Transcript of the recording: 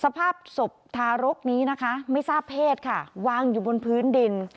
สภาพศพทารกนี้นะคะไม่ทราบเพศค่ะวางอยู่บนพื้นดิน